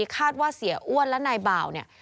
คาดว่าเสียอ้วนและนายบ่าวเนี่ย